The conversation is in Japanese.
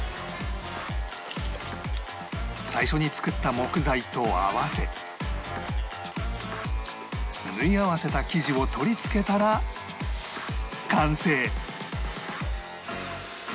最初に作った木材と合わせ縫い合わせた生地を取り付けたら完成